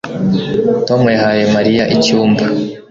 Tom yahaye Mariya icyuma